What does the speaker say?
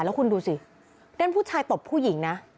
แล้วคุณดูสิด้านผู้ชายตบผู้หญิงนะ